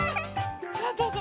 さあどうぞ。